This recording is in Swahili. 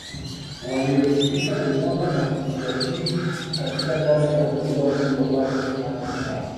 Waliojivika unyama na kujiajiri katika kazi ya kuua ili wapate kipato chao